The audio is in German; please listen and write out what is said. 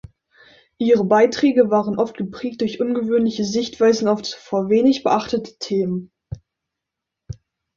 Ihre Beiträge waren oft geprägt durch ungewöhnliche Sichtweisen auf zuvor wenig beachtete Themen.